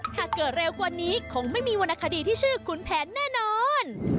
ถ้าเกิดเร็วกว่านี้คงไม่มีวรรณคดีที่ชื่อขุนแผนแน่นอน